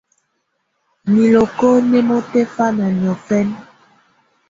Niloko nɛ́ mùtɛ̀fana niɔ̀fɛ̀na.